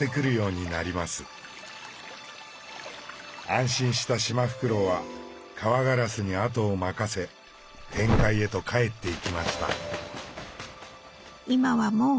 安心したシマフクロウはカワガラスに後を任せ天界へと帰っていきました。